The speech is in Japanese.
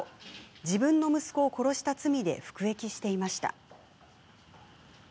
自分の息子を殺した罪で服役していました。